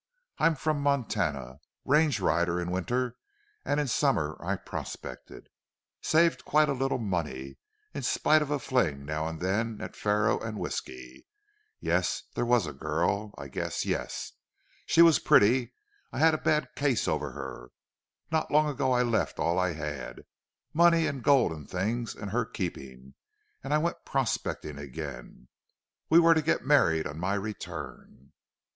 "I'm from Montana. Range rider in winter and in summer I prospected. Saved quite a little money, in spite of a fling now and then at faro and whisky.... Yes, there was a girl, I guess yes. She was pretty. I had a bad case over her. Not long ago I left all I had money and gold and things in her keeping, and I went prospecting again. We were to get married on my return.